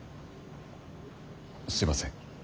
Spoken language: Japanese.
すいません。